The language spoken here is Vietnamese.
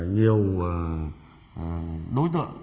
nhiều đối tượng